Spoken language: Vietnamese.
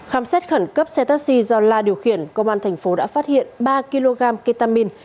khám xét khẩn cấp xe taxi do la điều khiển công an thành phố đã phát hiện ba kg ketamine